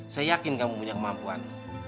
saya yakin kamu punya kemampuan